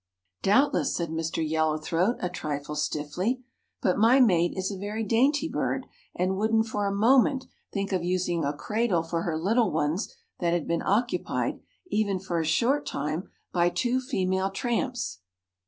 "Doubtless," said Mr. Yellow throat, a trifle stiffly, "but my mate is a very dainty bird and wouldn't for a moment think of using a cradle for her little ones that had been occupied, even for a short time, by two female tramps."